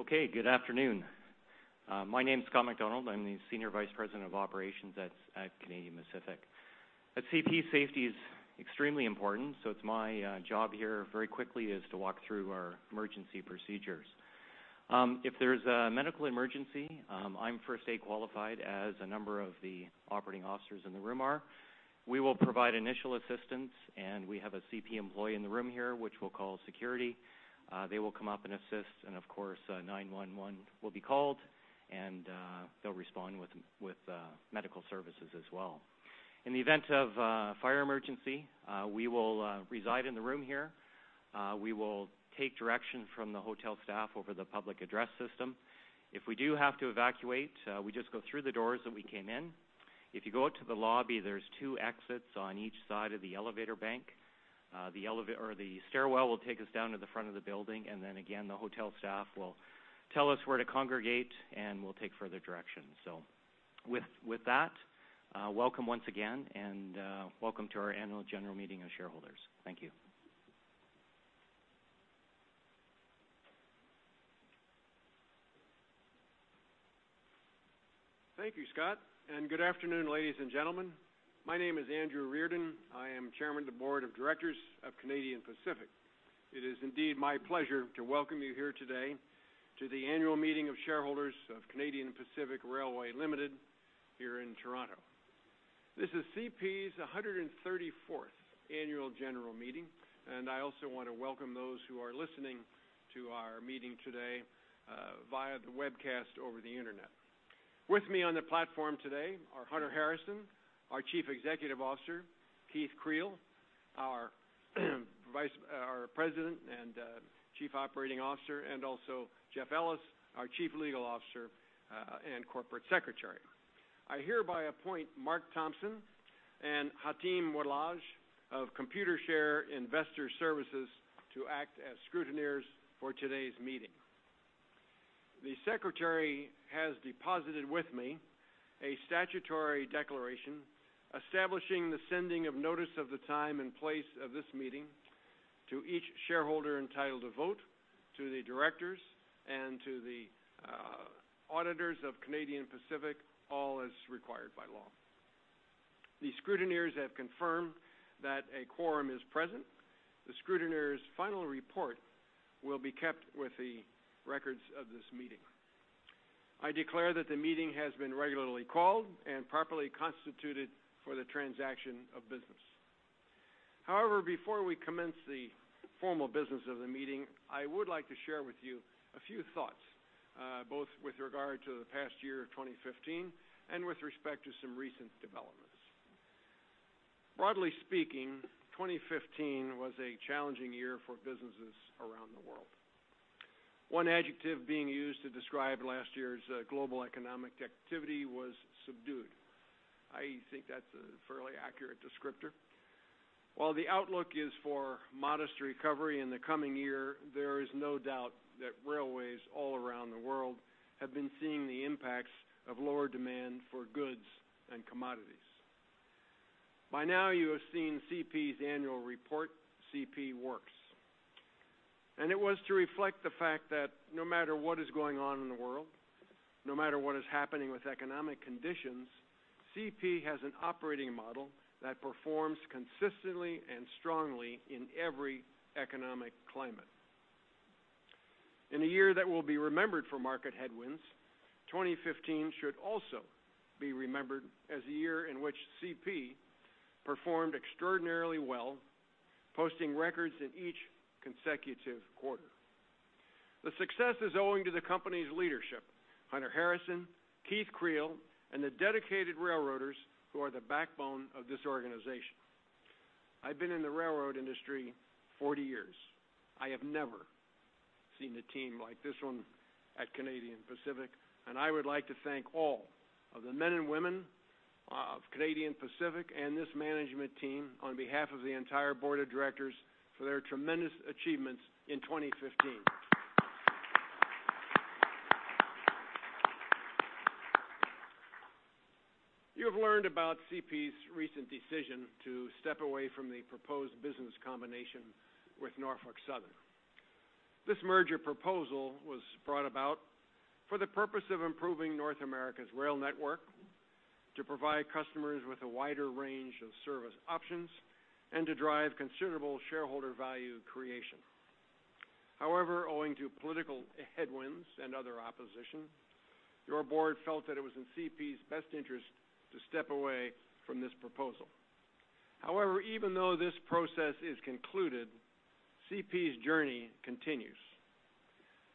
Okay, good afternoon. My name's Scott MacDonald. I'm the Senior Vice President of Operations at Canadian Pacific. At CP, safety is extremely important, so it's my job here very quickly is to walk through our emergency procedures. If there's a medical emergency, I'm first aid qualified as a number of the operating officers in the room are. We will provide initial assistance, and we have a CP employee in the room here which will call security. They will come up and assist, and of course, 911 will be called, and they'll respond with medical services as well. In the event of a fire emergency, we will reside in the room here. We will take directions from the hotel staff over the public address system. If we do have to evacuate, we just go through the doors that we came in. If you go out to the lobby, there's two exits on each side of the elevator bank. The elevator or the stairwell will take us down to the front of the building, and then again, the hotel staff will tell us where to congregate, and we'll take further directions. So with, with that, welcome once again, and, welcome to our annual general meeting of shareholders. Thank you. Thank you, Scott. Good afternoon, ladies and gentlemen. My name is Andrew Reardon. I am Chairman of the Board of Directors of Canadian Pacific. It is indeed my pleasure to welcome you here today to the annual meeting of shareholders of Canadian Pacific Railway Limited here in Toronto. This is CP's 134th annual general meeting, and I also want to welcome those who are listening to our meeting today, via the webcast over the Internet. With me on the platform today are Hunter Harrison, our Chief Executive Officer, Keith Creel, our President and Chief Operating Officer, and also Jeff Ellis, our Chief Legal Officer and Corporate Secretary. I hereby appoint Mark Thompson and Hatim Walji of Computershare Investor Services to act as scrutineers for today's meeting. The Secretary has deposited with me a statutory declaration establishing the sending of notice of the time and place of this meeting to each shareholder entitled to vote, to the directors, and to the auditors of Canadian Pacific, all as required by law. The scrutineers have confirmed that a quorum is present. The scrutineers' final report will be kept with the records of this meeting. I declare that the meeting has been regularly called and properly constituted for the transaction of business. However, before we commence the formal business of the meeting, I would like to share with you a few thoughts, both with regard to the past year of 2015 and with respect to some recent developments. Broadly speaking, 2015 was a challenging year for businesses around the world. One adjective being used to describe last year's global economic activity was subdued. I think that's a fairly accurate descriptor. While the outlook is for modest recovery in the coming year, there is no doubt that railways all around the world have been seeing the impacts of lower demand for goods and commodities. By now, you have seen CP's annual report, CP Works. It was to reflect the fact that no matter what is going on in the world, no matter what is happening with economic conditions, CP has an operating model that performs consistently and strongly in every economic climate. In a year that will be remembered for market headwinds, 2015 should also be remembered as a year in which CP performed extraordinarily well, posting records in each consecutive quarter. The success is owing to the company's leadership, Hunter Harrison, Keith Creel, and the dedicated railroaders who are the backbone of this organization. I've been in the railroad industry 40 years. I have never seen a team like this one at Canadian Pacific, and I would like to thank all of the men and women of Canadian Pacific and this management team on behalf of the entire board of directors for their tremendous achievements in 2015. You have learned about CP's recent decision to step away from the proposed business combination with Norfolk Southern. This merger proposal was brought about for the purpose of improving North America's rail network, to provide customers with a wider range of service options, and to drive considerable shareholder value creation. However, owing to political headwinds and other opposition, your board felt that it was in CP's best interest to step away from this proposal. However, even though this process is concluded, CP's journey continues.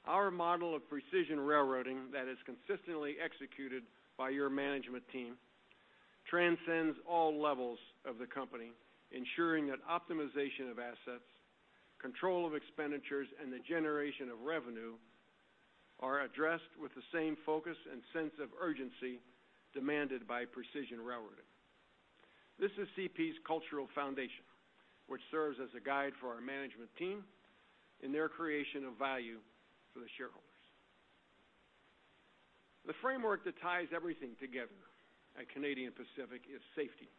Our model of precision railroading that is consistently executed by your management team transcends all levels of the company, ensuring that optimization of assets, control of expenditures, and the generation of revenue are addressed with the same focus and sense of urgency demanded by precision railroading. This is CP's cultural foundation, which serves as a guide for our management team in their creation of value for the shareholders. The framework that ties everything together at Canadian Pacific is safety.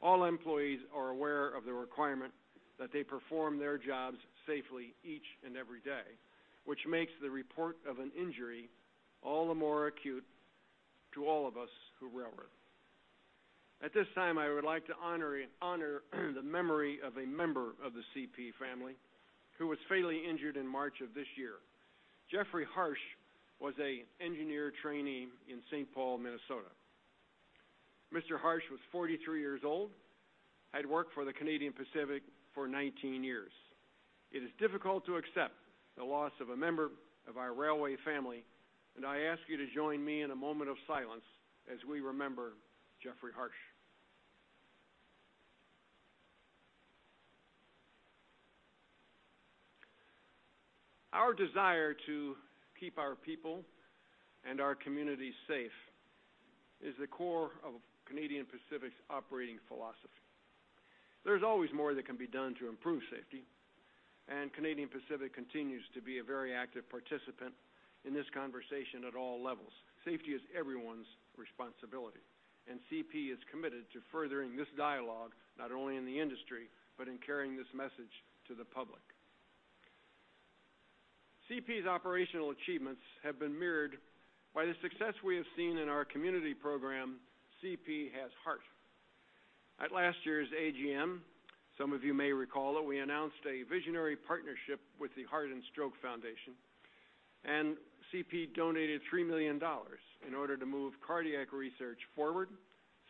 All employees are aware of the requirement that they perform their jobs safely each and every day, which makes the report of an injury all the more acute to all of us who railroad. At this time, I would like to honor the memory of a member of the CP family who was fatally injured in March of this year. Jeffrey Harsh was an engineer trainee in St. Paul, Minnesota. Mr. Harsh was 43 years old, had worked for the Canadian Pacific for 19 years. It is difficult to accept the loss of a member of our railway family, and I ask you to join me in a moment of silence as we remember Jeffrey Harsh. Our desire to keep our people and our communities safe is the core of Canadian Pacific's operating philosophy. There's always more that can be done to improve safety, and Canadian Pacific continues to be a very active participant in this conversation at all levels. Safety is everyone's responsibility, and CP is committed to furthering this dialogue not only in the industry but in carrying this message to the public. CP's operational achievements have been mirrored by the success we have seen in our community program, CP Has Heart. At last year's AGM, some of you may recall it, we announced a visionary partnership with the Heart and Stroke Foundation, and CP donated 3 million dollars in order to move cardiac research forward,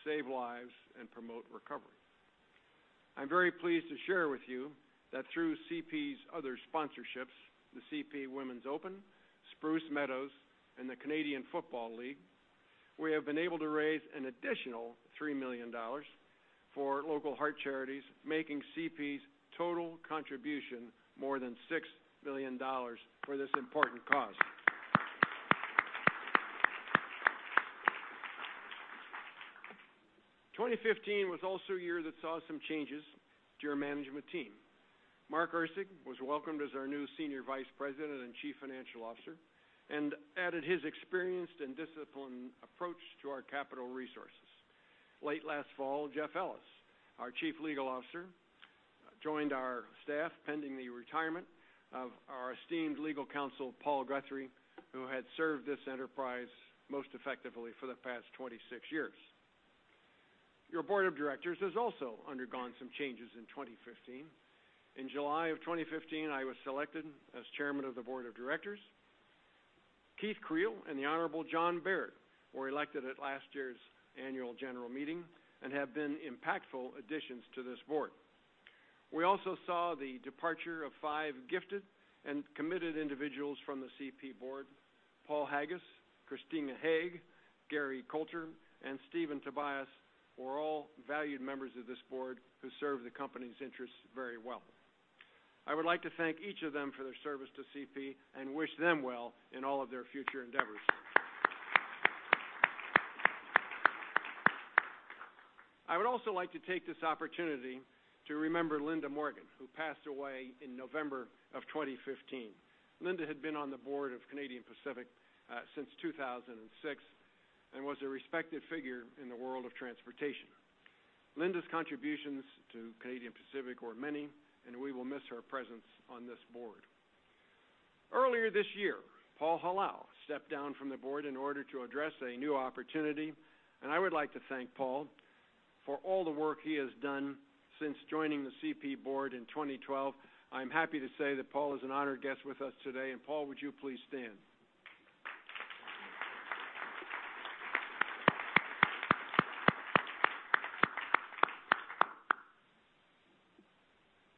save lives, and promote recovery. I'm very pleased to share with you that through CP's other sponsorships, the CP Women's Open, Spruce Meadows, and the Canadian Football League, we have been able to raise an additional 3 million dollars for local heart charities, making CP's total contribution more than 6 million dollars for this important cause. 2015 was also a year that saw some changes to your management team. Mark Erceg was welcomed as our new Senior Vice President and Chief Financial Officer and added his experienced and disciplined approach to our capital resources. Late last fall, Jeff Ellis, our Chief Legal Officer, joined our staff pending the retirement of our esteemed legal counsel, Paul Guthrie, who had served this enterprise most effectively for the past 26 years. Your board of directors has also undergone some changes in 2015. In July of 2015, I was selected as Chairman of the Board of Directors. Keith Creel and the Honorable John Baird were elected at last year's Annual General Meeting and have been impactful additions to this board. We also saw the departure of five gifted and committed individuals from the CP board. Paul Haggis, Krystyna Hoeg, Gary Colter, and Stephen Tobias were all valued members of this board who served the company's interests very well. I would like to thank each of them for their service to CP and wish them well in all of their future endeavors. I would also like to take this opportunity to remember Linda Morgan, who passed away in November of 2015. Linda had been on the board of Canadian Pacific since 2006 and was a respected figure in the world of transportation. Linda's contributions to Canadian Pacific were many, and we will miss her presence on this board. Earlier this year, Paul Hilal stepped down from the board in order to address a new opportunity, and I would like to thank Paul for all the work he has done since joining the CP board in 2012. I'm happy to say that Paul is an honored guest with us today. And Paul, would you please stand?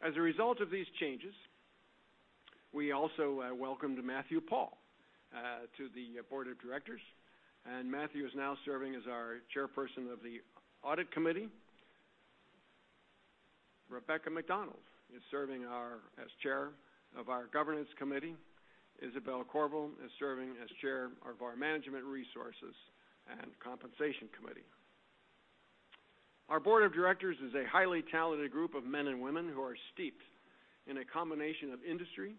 As a result of these changes, we also welcomed Matthew Paull to the board of directors. Matthew is now serving as our Chairperson of the Audit Committee. Rebecca MacDonald is serving as Chair of our Governance Committee. Isabelle Courville is serving as Chair of our Management Resources and Compensation Committee. Our board of directors is a highly talented group of men and women who are steeped in a combination of industry,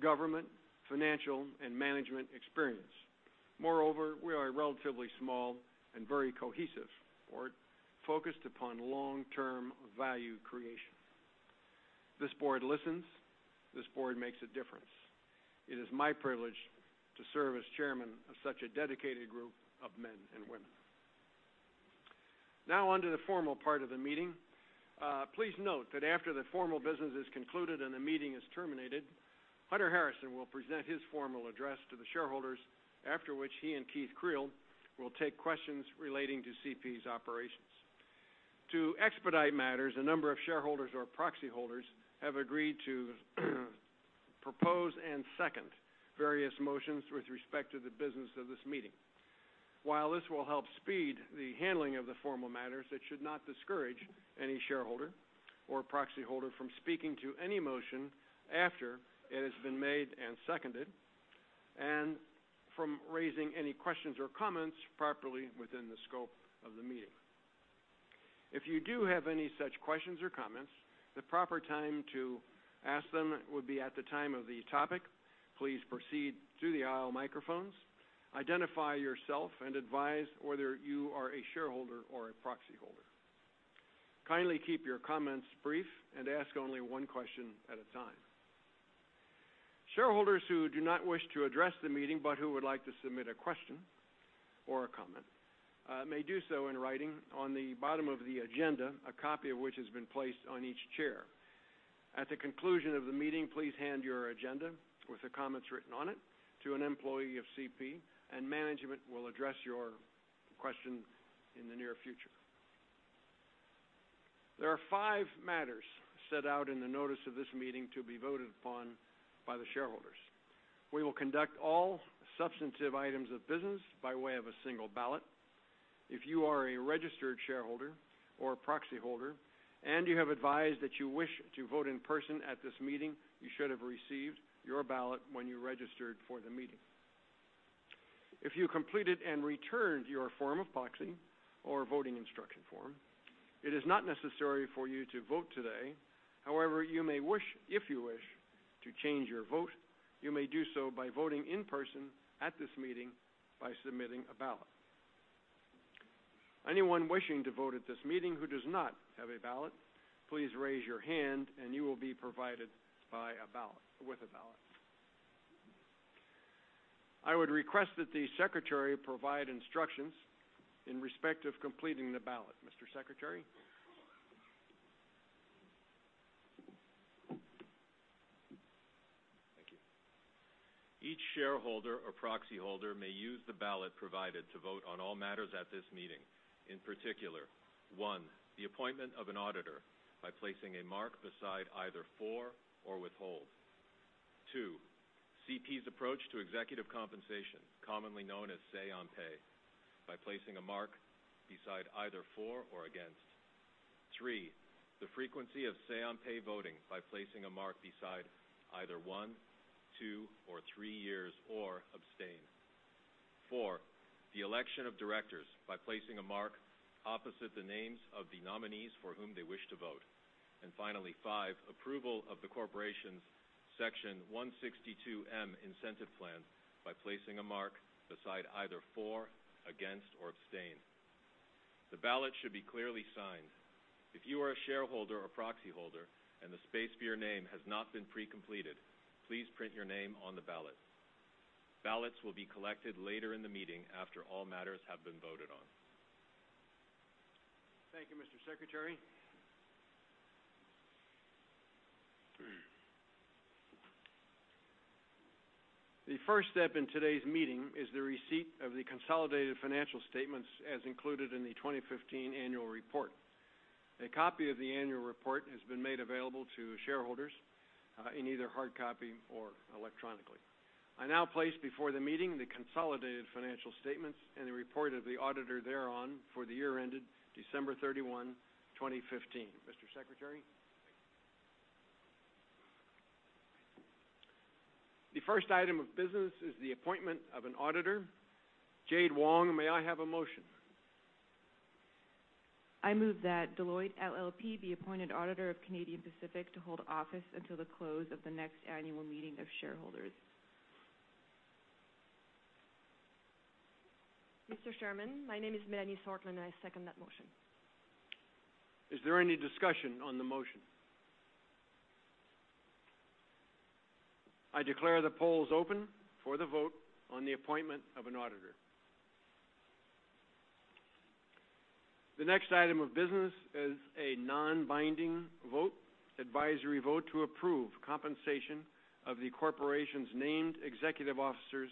government, financial, and management experience. Moreover, we are relatively small and very cohesive, or focused upon long-term value creation. This board listens. This board makes a difference. It is my privilege to serve as Chairman of such a dedicated group of men and women. Now, onto the formal part of the meeting. Please note that after the formal business is concluded and the meeting is terminated, Hunter Harrison will present his formal address to the shareholders, after which he and Keith Creel will take questions relating to CP's operations. To expedite matters, a number of shareholders or proxy holders have agreed to, propose and second various motions with respect to the business of this meeting. While this will help speed the handling of the formal matters, it should not discourage any shareholder or proxy holder from speaking to any motion after it has been made and seconded, and from raising any questions or comments properly within the scope of the meeting. If you do have any such questions or comments, the proper time to ask them would be at the time of the topic. Please proceed through the aisle microphones, identify yourself, and advise whether you are a shareholder or a proxy holder. Kindly keep your comments brief and ask only one question at a time. Shareholders who do not wish to address the meeting but who would like to submit a question or a comment, may do so in writing on the bottom of the agenda, a copy of which has been placed on each chair. At the conclusion of the meeting, please hand your agenda with the comments written on it to an employee of CP, and management will address your question in the near future. There are five matters set out in the notice of this meeting to be voted upon by the shareholders. We will conduct all substantive items of business by way of a single ballot. If you are a registered shareholder or a proxy holder and you have advised that you wish to vote in person at this meeting, you should have received your ballot when you registered for the meeting. If you completed and returned your form of proxy or voting instruction form, it is not necessary for you to vote today. However, you may wish, if you wish, to change your vote. You may do so by voting in person at this meeting by submitting a ballot. Anyone wishing to vote at this meeting who does not have a ballot, please raise your hand, and you will be provided by a ballot with a ballot. I would request that the Secretary provide instructions in respect of completing the ballot. Mr. Secretary? Thank you. Each shareholder or proxy holder may use the ballot provided to vote on all matters at this meeting. In particular, one, the appointment of an auditor by placing a mark beside either for or withhold. one, CP's approach to executive compensation, commonly known as say-on-pay, by placing a mark beside either for or against. three, the frequency of say-on-pay voting by placing a mark beside either one, two, or three years, or abstain. four, the election of directors by placing a mark opposite the names of the nominees for whom they wish to vote. Finally, five, approval of the corporation's Section 162(m) incentive plan by placing a mark beside either for, against, or abstain. The ballot should be clearly signed. If you are a shareholder or proxy holder and the space for your name has not been pre-completed, please print your name on the ballot. Ballots will be collected later in the meeting after all matters have been voted on. Thank you, Mr. Secretary. The first step in today's meeting is the receipt of the consolidated financial statements as included in the 2015 annual report. A copy of the annual report has been made available to shareholders, in either hard copy or electronically. I now place before the meeting the consolidated financial statements and the report of the auditor thereon for the year ended December 31, 2015. Mr. Secretary? The first item of business is the appointment of an auditor. Jade Wong, may I have a motion? I move that Deloitte LLP be appointed auditor of Canadian Pacific to hold office until the close of the next annual meeting of shareholders. Mr. Chairman, my name is Marnie Sortland, and I second that motion. Is there any discussion on the motion? I declare the polls open for the vote on the appointment of an auditor. The next item of business is a non-binding vote, advisory vote to approve compensation of the corporation's named executive officers,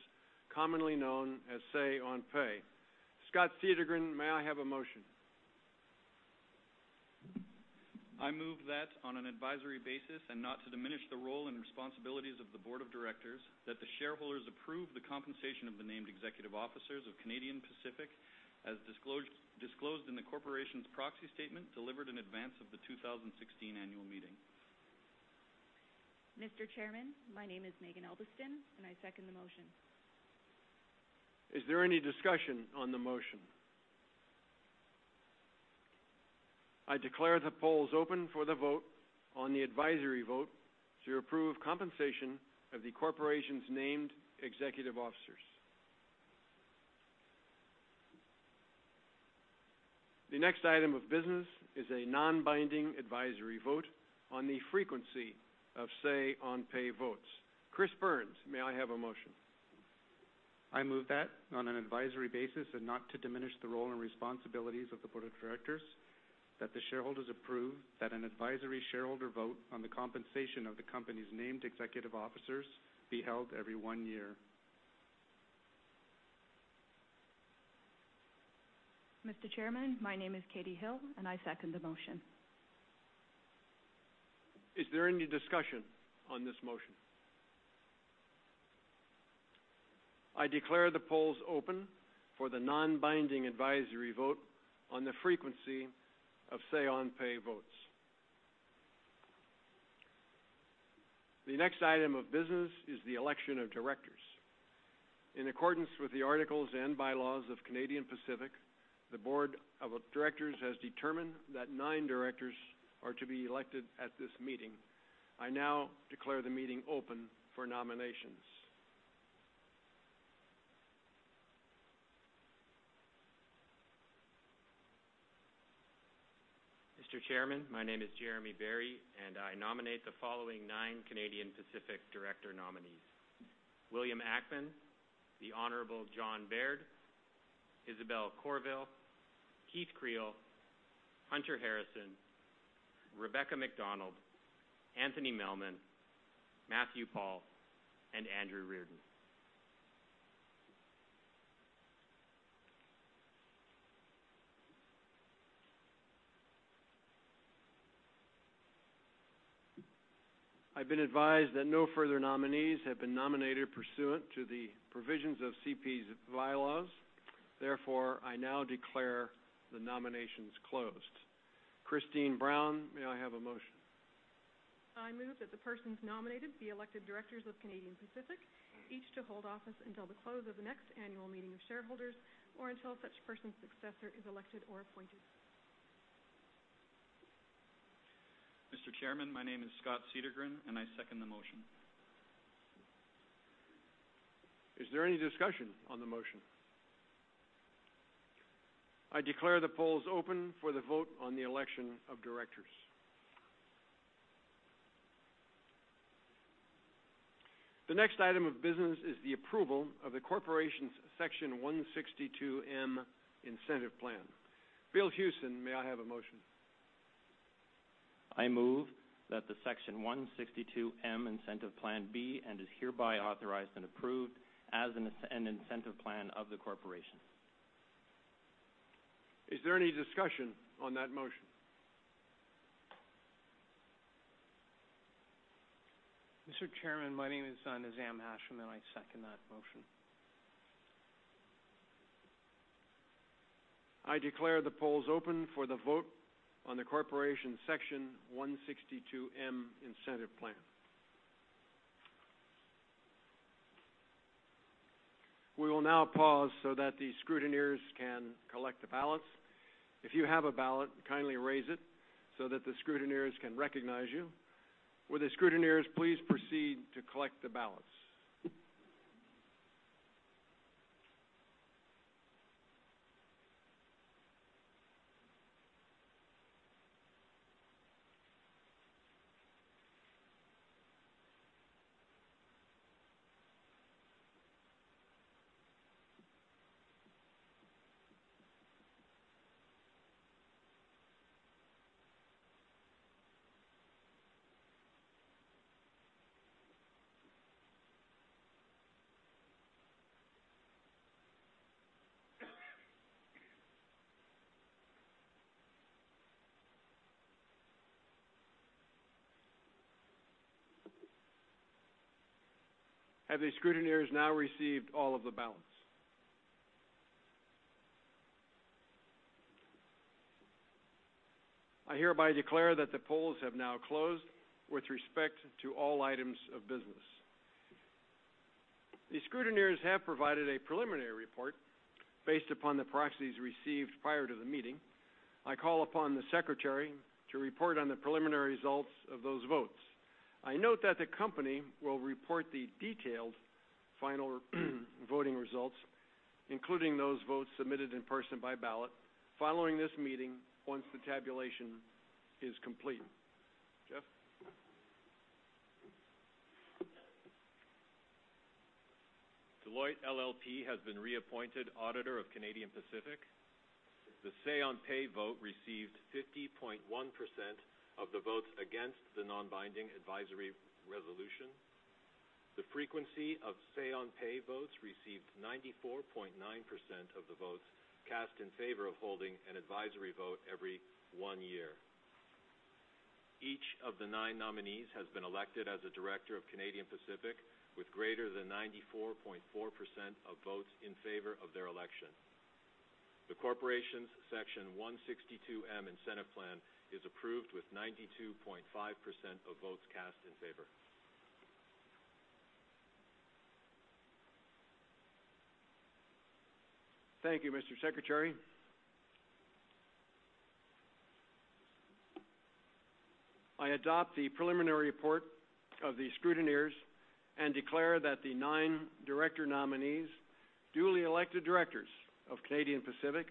commonly known as say-on-pay. Scott Cedergren, may I have a motion? I move that on an advisory basis and not to diminish the role and responsibilities of the board of directors, that the shareholders approve the compensation of the named executive officers of Canadian Pacific as disclosed disclosed in the corporation's proxy statement delivered in advance of the 2016 annual meeting. Mr. Chairman, my name is Maeghan Albiston, and I second the motion. Is there any discussion on the motion? I declare the polls open for the vote on the advisory vote to approve compensation of the corporation's named executive officers. The next item of business is a non-binding advisory vote on the frequency of say-on-pay votes. Chris Burns, may I have a motion? I move that on an advisory basis and not to diminish the role and responsibilities of the board of directors, that the shareholders approve that an advisory shareholder vote on the compensation of the company's named executive officers be held every one year. Mr. Chairman, my name is Katie Hill, and I second the motion. Is there any discussion on this motion? I declare the polls open for the non-binding advisory vote on the frequency of say-on-pay votes. The next item of business is the election of directors. In accordance with the articles and bylaws of Canadian Pacific, the board of directors has determined that nine directors are to be elected at this meeting. I now declare the meeting open for nominations. Mr. Chairman, my name is Jeremy Berry, and I nominate the following nine Canadian Pacific director nominees: William Ackman, the Honorable John Baird, Isabelle Courville, Keith Creel, Hunter Harrison, Rebecca MacDonald, Anthony Melman, Matthew Paull, and Andrew Reardon. I've been advised that no further nominees have been nominated pursuant to the provisions of CP's bylaws. Therefore, I now declare the nominations closed. Christine Brown, may I have a motion? I move that the persons nominated be elected directors of Canadian Pacific, each to hold office until the close of the next annual meeting of shareholders or until such person's successor is elected or appointed. Mr. Chairman, my name is Scott Cedergren, and I second the motion. Is there any discussion on the motion? I declare the polls open for the vote on the election of directors. The next item of business is the approval of the corporation's Section 162(m) incentive plan. Bill Hewson, may I have a motion? I move that the Section 162(m) incentive plan be and is hereby authorized and approved as an incentive plan of the corporation. Is there any discussion on that motion? Mr. Chairman, my name is Nizam Hasham, and I second that motion. I declare the polls open for the vote on the corporation's Section 162(m) incentive plan. We will now pause so that the scrutineers can collect the ballots. If you have a ballot, kindly raise it so that the scrutineers can recognize you. Will the scrutineers please proceed to collect the ballots? Have the scrutineers now received all of the ballots? I hereby declare that the polls have now closed with respect to all items of business. The scrutineers have provided a preliminary report based upon the proxies received prior to the meeting. I call upon the Secretary to report on the preliminary results of those votes. I note that the company will report the detailed final voting results, including those votes submitted in person by ballot following this meeting once the tabulation is complete. Jeff? Deloitte LLP has been reappointed auditor of Canadian Pacific. The say-on-pay vote received 50.1% of the votes against the non-binding advisory resolution. The frequency of say-on-pay votes received 94.9% of the votes cast in favor of holding an advisory vote every one year. Each of the nine nominees has been elected as a director of Canadian Pacific with greater than 94.4% of votes in favor of their election. The corporation's Section 162(m) incentive plan is approved with 92.5% of votes cast in favor. Thank you, Mr. Secretary. I adopt the preliminary report of the scrutineers and declare that the nine director nominees, duly elected directors of Canadian Pacific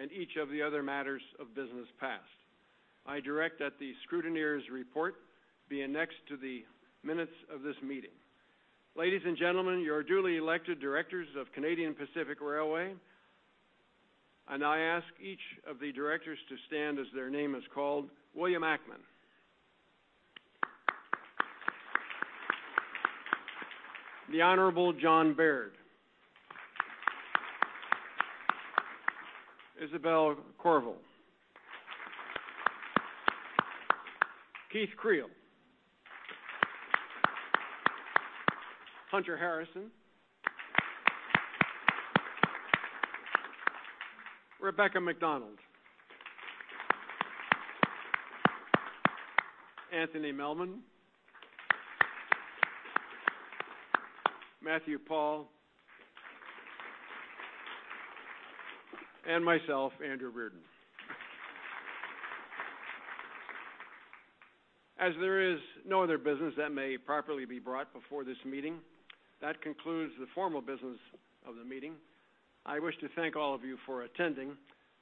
and each of the other matters of business passed. I direct that the scrutineers' report be annexed to the minutes of this meeting. Ladies and gentlemen, your duly elected directors of Canadian Pacific Railway, and I ask each of the directors to stand as their name is called: William Ackman, the Honorable John Baird, Isabelle Courville, Keith Creel, Hunter Harrison, Rebecca MacDonald, Anthony Melman, Matthew Paull, and myself, Andrew Reardon. As there is no other business that may properly be brought before this meeting, that concludes the formal business of the meeting. I wish to thank all of you for attending.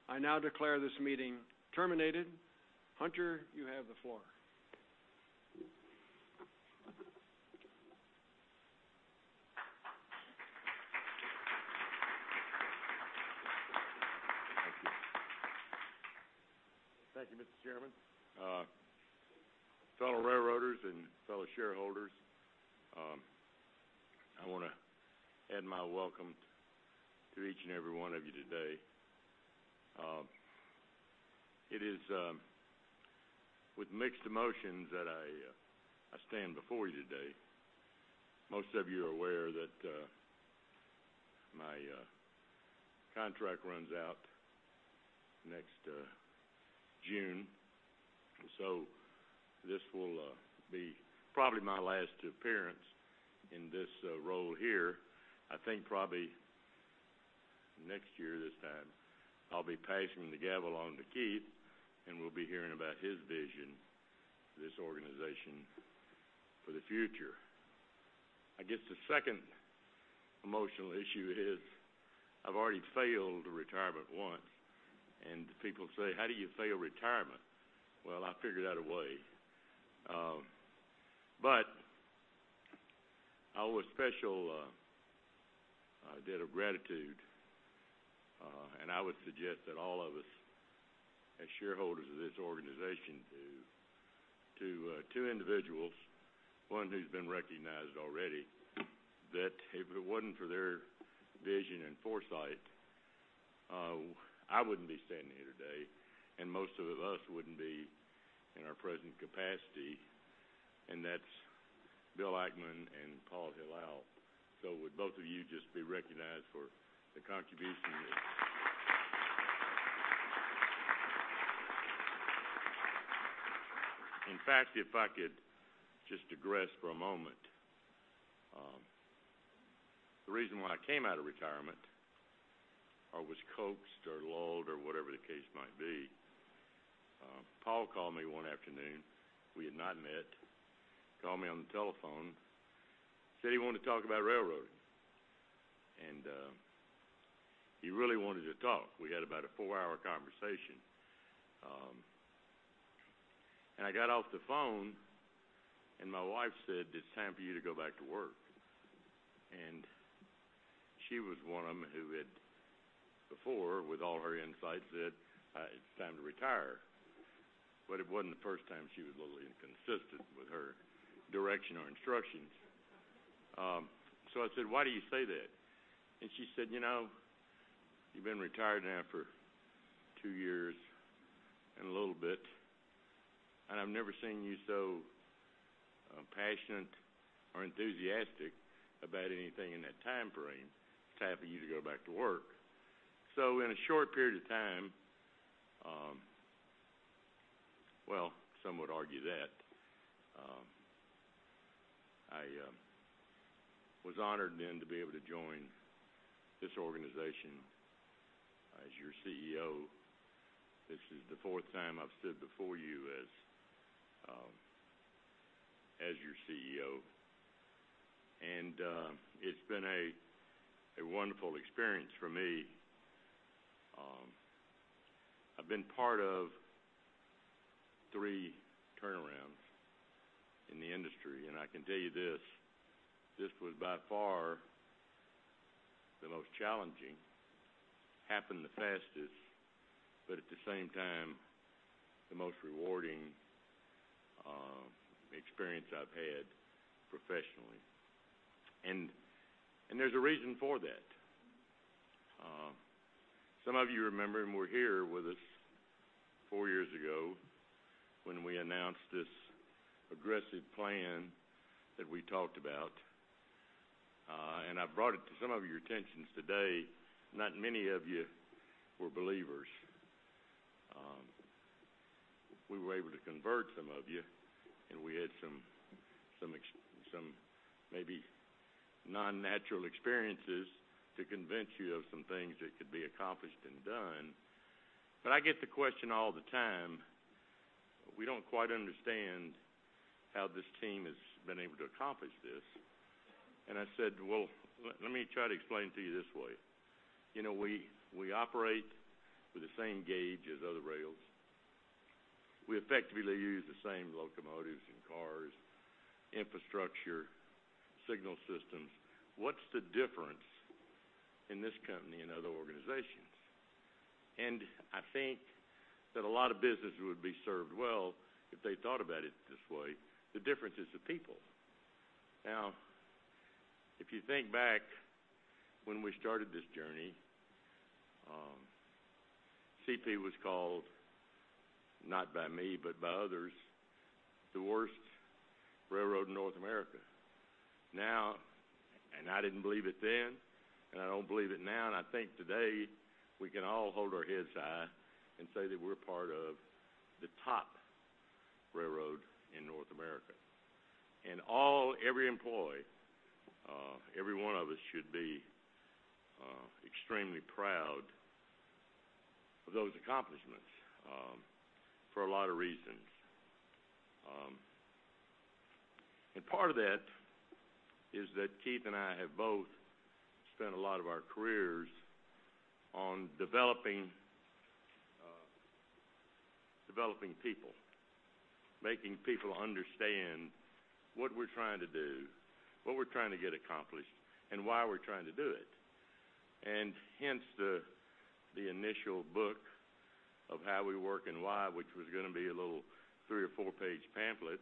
I now declare this meeting terminated. Hunter, you have the floor. Thank you. Thank you, Mr. Chairman. Fellow railroaders and fellow shareholders, I want to add my welcome to each and every one of you today. It is with mixed emotions that I stand before you today. Most of you are aware that my contract runs out next June, and so this will be probably my last appearance in this role here. I think probably next year this time, I'll be passing the gavel on to Keith, and we'll be hearing about his vision for this organization for the future. I guess the second emotional issue is I've already failed retirement once, and people say, "How do you fail retirement?" Well, I figured out a way. But I owe a special debt of gratitude, and I would suggest that all of us as shareholders of this organization do too to two individuals, one who's been recognized already, that if it wasn't for their vision and foresight, I wouldn't be standing here today, and most of us wouldn't be in our present capacity, and that's Bill Ackman and Paul Hilal. So would both of you just be recognized for the contribution that in fact, if I could just digress for a moment, the reason why I came out of retirement or was coaxed or lulled or whatever the case might be, Paul called me one afternoon. We had not met. Called me on the telephone. Said he wanted to talk about railroading. He really wanted to talk. We had about a four-hour conversation. And I got off the phone, and my wife said, "It's time for you to go back to work." And she was one of them who had before, with all her insight, said, "It's time to retire." But it wasn't the first time she was a little inconsistent with her direction or instructions. So I said, "Why do you say that?" And she said, "You know, you've been retired now for two years and a little bit, and I've never seen you so, passionate or enthusiastic about anything in that time frame. It's time for you to go back to work." So in a short period of time, well, some would argue that, I, was honored then to be able to join this organization as your CEO. This is the fourth time I've stood before you as, as your CEO. And, it's been a, a wonderful experience for me. I've been part of three turnarounds in the industry, and I can tell you this: this was by far the most challenging, happened the fastest, but at the same time, the most rewarding, experience I've had professionally. And there's a reason for that. Some of you remember, and we're here with us four years ago when we announced this aggressive plan that we talked about. And I've brought it to some of your attentions today. Not many of you were believers. We were able to convert some of you, and we had some maybe non-natural experiences to convince you of some things that could be accomplished and done. But I get the question all the time, "We don't quite understand how this team has been able to accomplish this." And I said, "Well, let me try to explain it to you this way. You know, we operate with the same gauge as other rails. We effectively use the same locomotives and cars, infrastructure, signal systems. What's the difference in this company and other organizations? And I think that a lot of business would be served well if they thought about it this way. The difference is the people. Now, if you think back when we started this journey, CP was called, not by me but by others, the worst railroad in North America. Now, and I didn't believe it then, and I don't believe it now, and I think today, we can all hold our heads high and say that we're part of the top railroad in North America. And all every employee, every one of us should be extremely proud of those accomplishments, for a lot of reasons. Part of that is that Keith and I have both spent a lot of our careers on developing, developing people, making people understand what we're trying to do, what we're trying to get accomplished, and why we're trying to do it. And hence the, the initial book of how we work and why, which was going to be a little three- or four-page pamphlet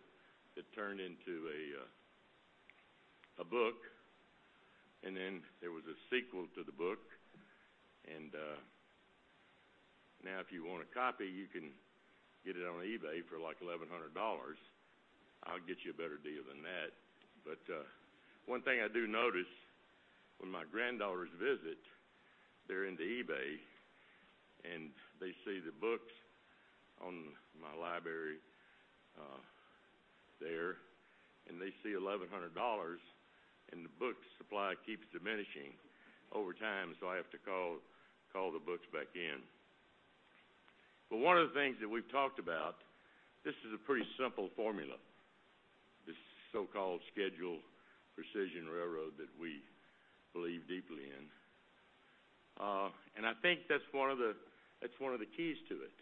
that turned into a, a book. And then there was a sequel to the book. And, now if you want a copy, you can get it on eBay for like $1,100. I'll get you a better deal than that. But, one thing I do notice when my granddaughters visit, they're into eBay, and they see the books on my library there, and they see $1,100, and the book supply keeps diminishing over time, so I have to call, call the books back in. Well, one of the things that we've talked about, this is a pretty simple formula, this so-called Precision Scheduled Railroading that we believe deeply in. And I think that's one of the that's one of the keys to it.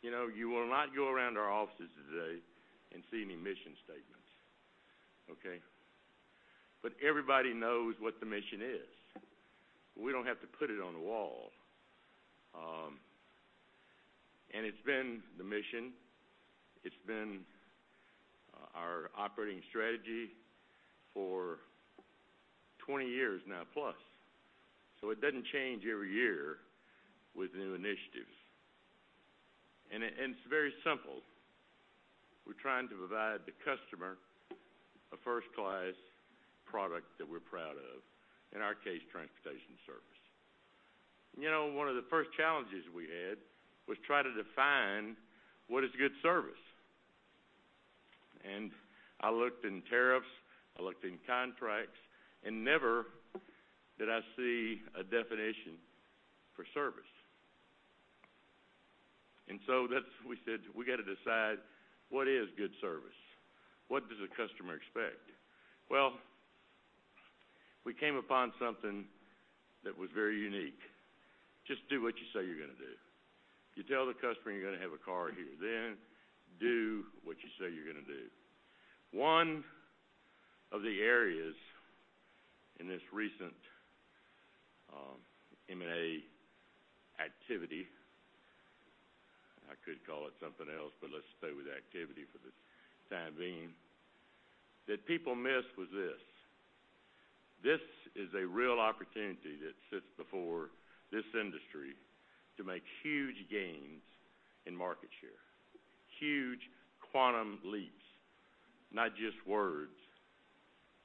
You know, you will not go around our offices today and see any mission statements, okay? But everybody knows what the mission is. We don't have to put it on the wall. And it's been the mission. It's been our operating strategy for 20 years now plus. So it doesn't change every year with new initiatives. And it, and it's very simple. We're trying to provide the customer a first-class product that we're proud of, in our case, transportation service. You know, one of the first challenges we had was trying to define what is good service. And I looked in tariffs. I looked in contracts. Never did I see a definition for service. So that's what we said, "We got to decide what is good service. What does the customer expect?" Well, we came upon something that was very unique. Just do what you say you're going to do. You tell the customer you're going to have a car here then. Do what you say you're going to do. One of the areas in this recent M&A activity, I could call it something else, but let's stay with activity for the time being, that people missed was this: this is a real opportunity that sits before this industry to make huge gains in market share, huge quantum leaps, not just words.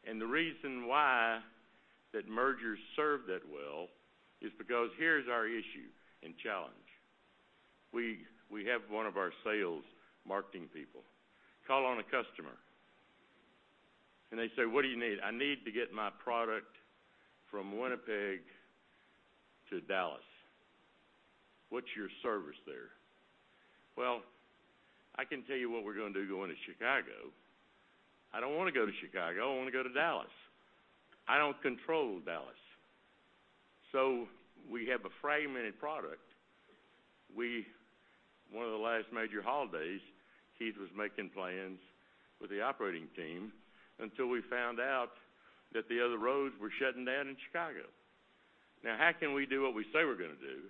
And the reason why that mergers served that well is because here's our issue and challenge. We have one of our sales marketing people call on a customer, and they say, "What do you need?" "I need to get my product from Winnipeg to Dallas. What's your service there?" "Well, I can tell you what we're going to do going to Chicago. I don't want to go to Chicago. I want to go to Dallas. I don't control Dallas." So we have a fragmented product. We one of the last major holidays, Keith was making plans with the operating team until we found out that the other roads were shutting down in Chicago. Now, how can we do what we say we're going to do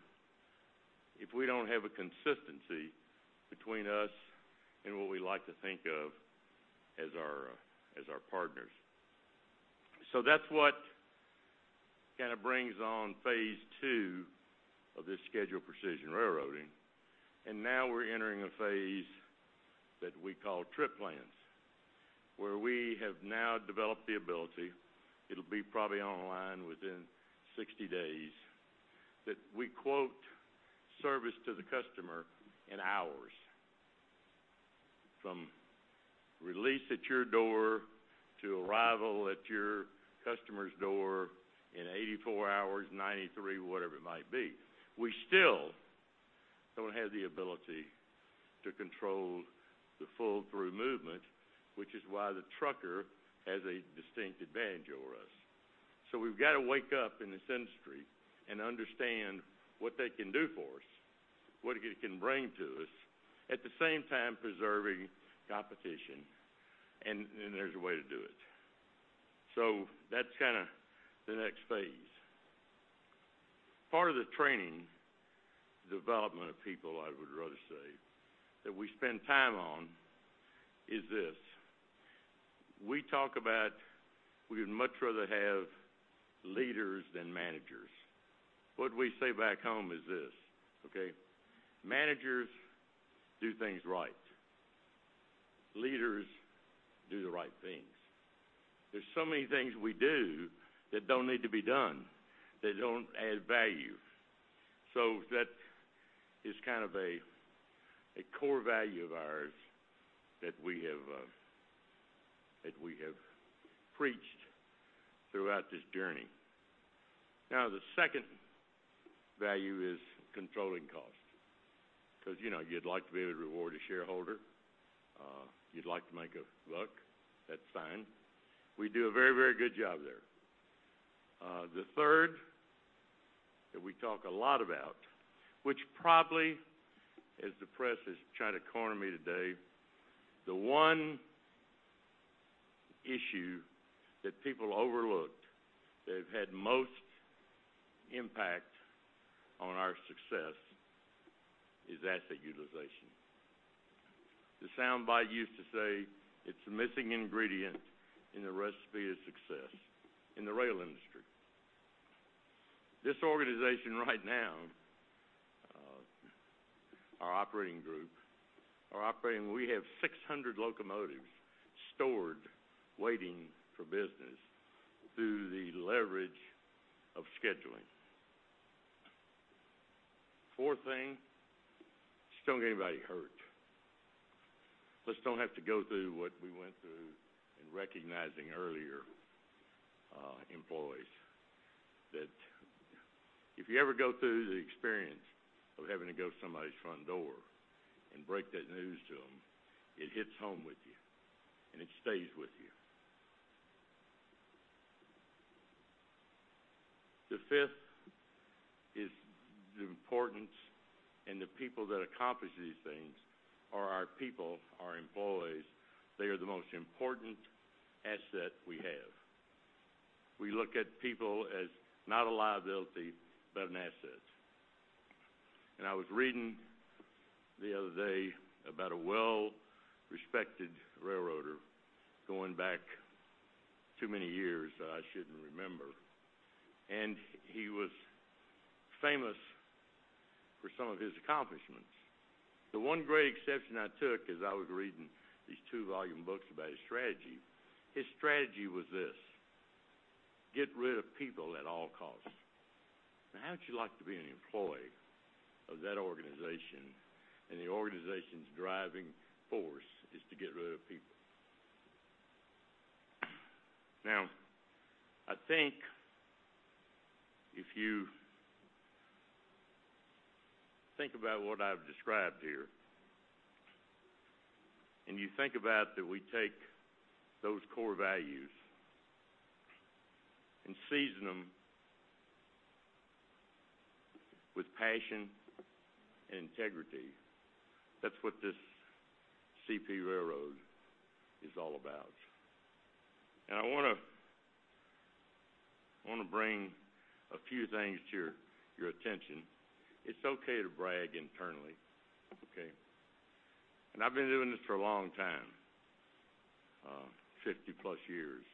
if we don't have a consistency between us and what we like to think of as our partners? So that's what kind of brings on phase two of this Schedule Precision Railroading. And now we're entering a phase that we call trip plans, where we have now developed the ability—it'll be probably online within 60 days—that we quote service to the customer in hours, from release at your door to arrival at your customer's door in 84 hours, 93 hours, whatever it might be. We still don't have the ability to control the full-through movement, which is why the trucker has a distinct advantage over us. So we've got to wake up in this industry and understand what they can do for us, what it can bring to us, at the same time preserving competition. And, and there's a way to do it. So that's kind of the next phase. Part of the training development of people, I would rather say, that we spend time on is this: we talk about we would much rather have leaders than managers. What we say back home is this, okay? Managers do things right. Leaders do the right things. There's so many things we do that don't need to be done, that don't add value. So that is kind of a core value of ours that we have, that we have preached throughout this journey. Now, the second value is controlling cost because, you know, you'd like to be able to reward a shareholder. You'd like to make a buck. That's fine. We do a very, very good job there. The third that we talk a lot about, which probably as the press is trying to corner me today, the one issue that people overlooked that had most impact on our success is asset utilization. The sound bite used to say it's the missing ingredient in the recipe of success in the rail industry. This organization right now, our operating group, our operating—we have 600 locomotives stored, waiting for business, through the leverage of scheduling. Fourth thing, just don't get anybody hurt. Let's don't have to go through what we went through in recognizing earlier, employees, that if you ever go through the experience of having to go to somebody's front door and break that news to them, it hits home with you, and it stays with you. The fifth is the importance, and the people that accomplish these things are our people, our employees. They are the most important asset we have. We look at people as not a liability but an asset. I was reading the other day about a well-respected railroader going back too many years that I shouldn't remember. He was famous for some of his accomplishments. The one great exception I took is I was reading these two-volume books about his strategy. His strategy was this: get rid of people at all costs. Now, how would you like to be an employee of that organization, and the organization's driving force is to get rid of people? Now, I think if you think about what I've described here, and you think about that we take those core values and season them with passion and integrity, that's what this CP Railroad is all about. And I want to, want to bring a few things to your, your attention. It's okay to brag internally, okay? And I've been doing this for a long time, 50+ years.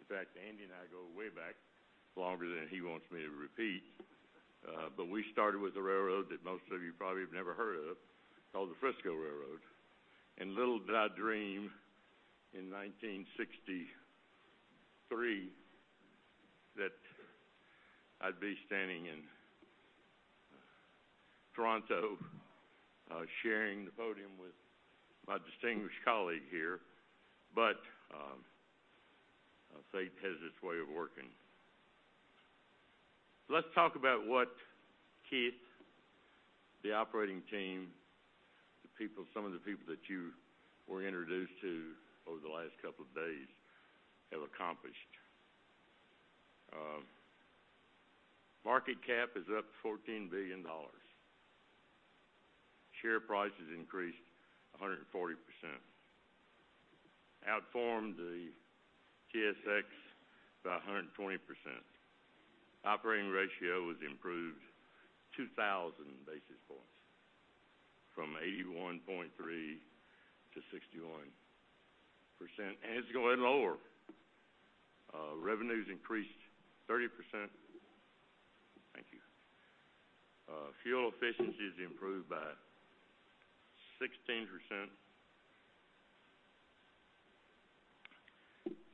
In fact, Andy and I go way back, longer than he wants me to repeat. But we started with a railroad that most of you probably have never heard of called the Frisco Railroad. And little did I dream in 1963 that I'd be standing in Toronto, sharing the podium with my distinguished colleague here. But fate has its way of working. Let's talk about what Keith, the operating team, the people, some of the people that you were introduced to over the last couple of days have accomplished. Market cap is up $14 billion. Share price has increased 140%. Outperformed the TSX by 120%. Operating ratio was improved 2,000 basis points from 81.3%-61%, and it's going lower. Revenues increased 30%. Thank you. Fuel efficiency is improved by 16%.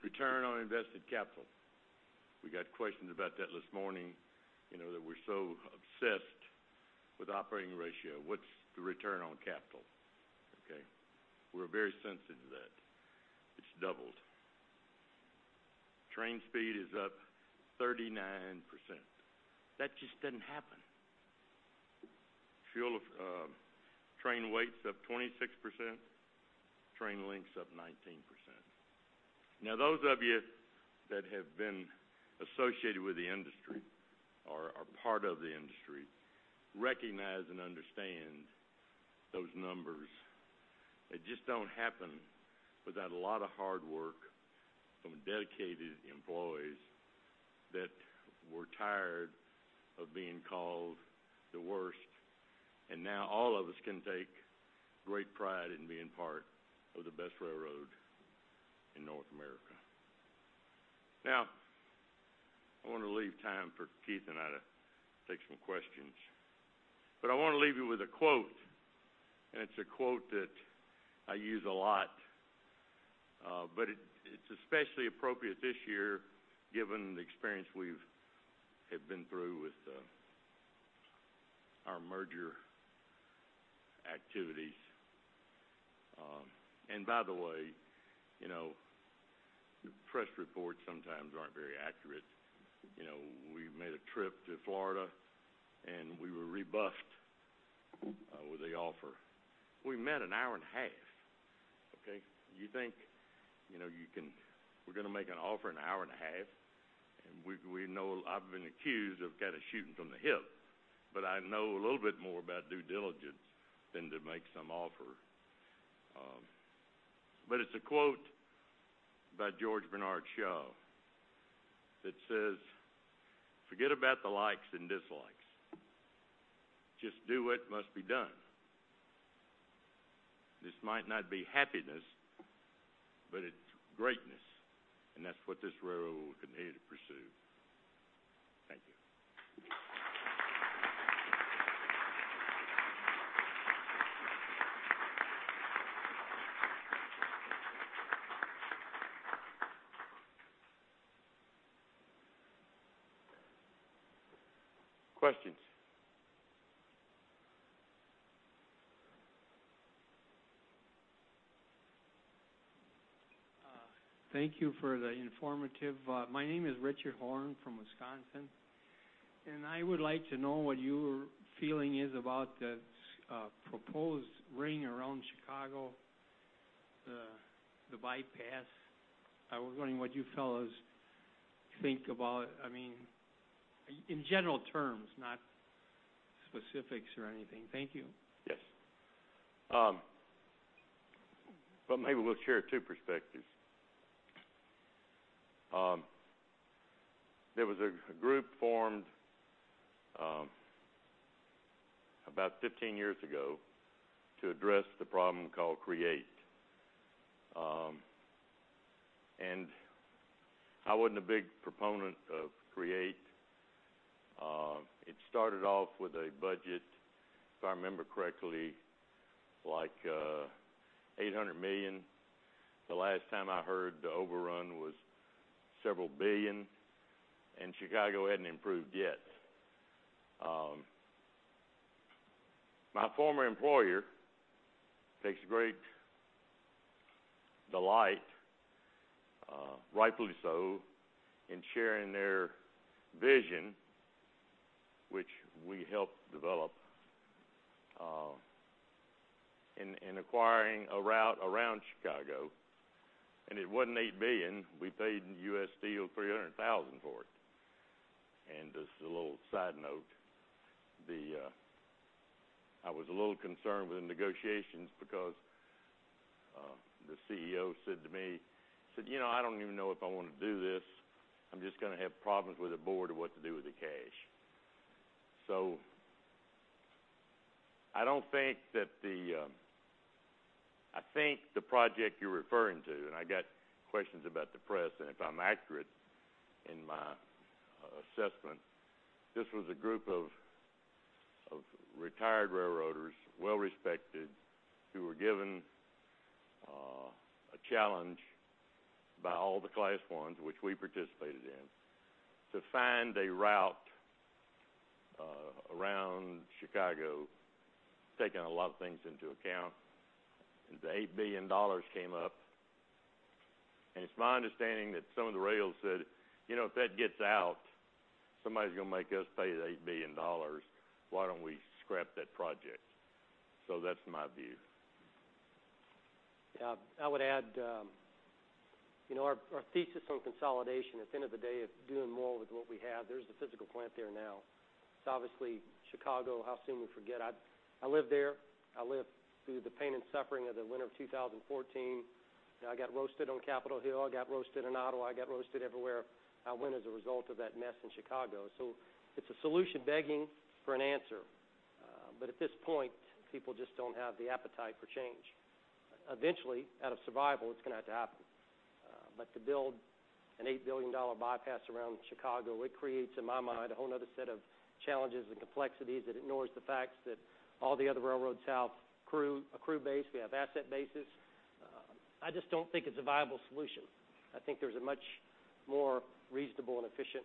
Return on invested capital. We got questions about that this morning, you know, that we're so obsessed with operating ratio. What's the return on capital, okay? We're very sensitive to that. It's doubled. Train speed is up 39%. That just doesn't happen. Fuel of, train weight's up 26%. Train length's up 19%. Now, those of you that have been associated with the industry or, or part of the industry recognize and understand those numbers. It just don't happen without a lot of hard work from dedicated employees that were tired of being called the worst, and now all of us can take great pride in being part of the best railroad in North America. Now, I want to leave time for Keith and I to take some questions. But I want to leave you with a quote, and it's a quote that I use a lot, but it, it's especially appropriate this year given the experience we've, have been through with, our merger activities. And by the way, you know, the press reports sometimes aren't very accurate. You know, we made a trip to Florida, and we were rebuffed with the offer. We met an hour and a half, okay? You think, you know, you can we're going to make an offer an hour and a half, and we, we know I've been accused of kind of shooting from the hip, but I know a little bit more about due diligence than to make some offer. But it's a quote by George Bernard Shaw that says, "Forget about the likes and dislikes. Just do what must be done." This might not be happiness, but it's greatness, and that's what this railroad will continue to pursue. Thank you. Questions? Thank you for the informative. My name is Richard Horn from Wisconsin, and I would like to know what your feeling is about the proposed ring around Chicago, the bypass. I was wondering what you felt as you think about it. I mean, in general terms, not specifics or anything. Thank you. Yes. But maybe we'll share two perspectives. There was a group formed, about 15 years ago to address the problem called CREATE. And I wasn't a big proponent of CREATE. It started off with a budget, if I remember correctly, like, $800 million. The last time I heard the overrun was several billion, and Chicago hadn't improved yet. My former employer takes great delight, rightfully so, in sharing their vision, which we helped develop, in acquiring a route around Chicago. And it wasn't $8 billion. We paid U.S. Steel $300,000 for it. And just a little side note, I was a little concerned with the negotiations because the CEO said to me, he said, "You know, I don't even know if I want to do this. I'm just going to have problems with the board of what to do with the cash." So I don't think that the, I think the project you're referring to and I got questions about the press, and if I'm accurate in my assessment, this was a group of, of retired railroaders, well-respected, who were given a challenge by all the class ones, which we participated in, to find a route around Chicago, taking a lot of things into account. And the $8 billion came up. And it's my understanding that some of the rails said, "You know, if that gets out, somebody's going to make us pay the $8 billion. Why don't we scrap that project?" So that's my view. Yeah. I would add, you know, our, our thesis on consolidation, at the end of the day, of doing more with what we have. There's the physical plant there now. It's obviously Chicago. How soon we forget. I, I lived there. I lived through the pain and suffering of the winter of 2014. You know, I got roasted on Capitol Hill. I got roasted in Ottawa. I got roasted everywhere I went as a result of that mess in Chicago. So it's a solution begging for an answer. But at this point, people just don't have the appetite for change. Eventually, out of survival, it's going to have to happen. But to build an $8 billion bypass around Chicago, it creates, in my mind, a whole another set of challenges and complexities that ignores the fact that all the other railroads south, crew bases, a crew base, we have asset bases. I just don't think it's a viable solution. I think there's a much more reasonable and efficient